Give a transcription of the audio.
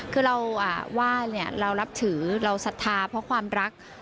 คือเรารับถือเรารับศรัทธาเพราะความรัก